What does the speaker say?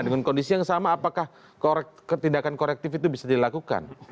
dengan kondisi yang sama apakah ketindakan korektif itu bisa dilakukan